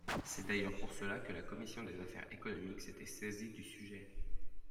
C’est d’ailleurs pour cela que la commission des affaires économiques s’était saisie du sujet.